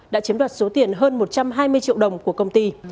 đã chiếm đoạt số tiền hơn một trăm hai mươi triệu đồng của công ty